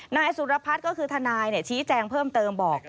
นายสุรพัฒน์ก็คือทนายชี้แจงเพิ่มเติมบอก